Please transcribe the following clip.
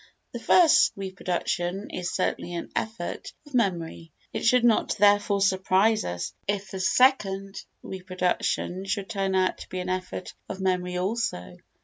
The first reproduction is certainly an effort of memory. It should not therefore surprise us if the second reproduction should turn out to be an effort of memory also.